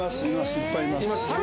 いっぱいいます